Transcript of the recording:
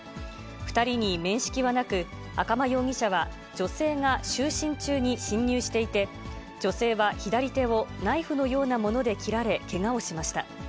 ２人に面識はなく、赤間容疑者は女性が就寝中に侵入していて、女性は左手をナイフのようなもので切られ、けがをしました。